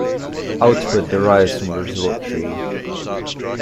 Output derives from the result tree.